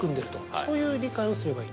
そういう理解をすればいい。